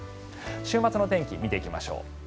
週末の天気見ていきましょう。